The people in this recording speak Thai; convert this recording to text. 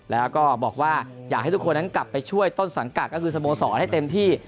แล้วก็บอกว่าอยากให้ทุกคนนั้นกลับไปช่วยต้นสังกัดก็คือสโมสรให้เต็มที่